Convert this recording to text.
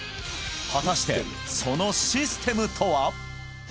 果たしてそのシステムとは？